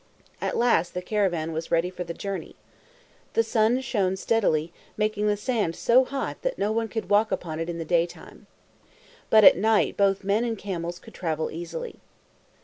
At last the caravan was ready for the journey. The sun shone steadily, making the sand so hot that no one could walk upon it in the daytime. But at night both men and camels could travel easily.